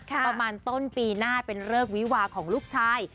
ประมาณต้นปีหน้าเป็นเลิกวิวาของลูกชาย